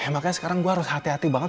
makanya sekarang gue harus hati hati banget